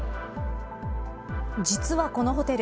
実は、このホテル